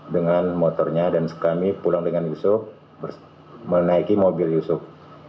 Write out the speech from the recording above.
dengan motornya dan kami pulang dengan yusuf menaiki mobil yusuf